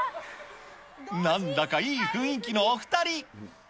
なんだかいい雰囲気のお２人。